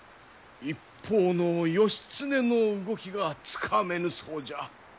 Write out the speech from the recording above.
一方の義経の動きがつかめぬそうじゃ。